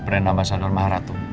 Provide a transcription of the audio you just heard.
rena basador maharatu